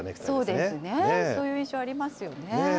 そうですね、そういう印象ありますよね。